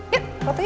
yuk foto yuk